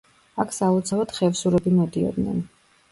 აქ სალოცავად ხევსურები მოდიოდნენ.